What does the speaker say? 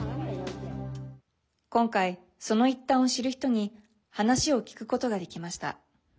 今回、その一端を知る人に話を聞くことができました。